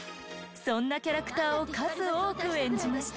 そんなキャラクターを数多く演じました。